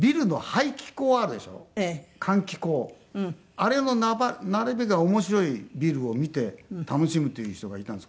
あれの並びが面白いビルを見て楽しむという人がいたんです。